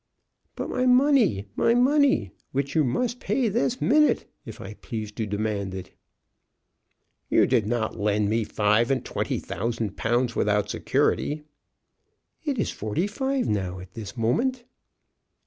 "But my money my money, which you must pay this minute, if I please to demand it." "You did not lend me five and twenty thousand pounds without security." "It is forty five now, at this moment."